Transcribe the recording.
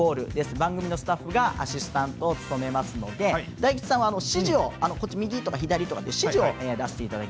番組のスタッフがアシスタントを務めますので大吉さんは右とか左とか指示を出していただけますか。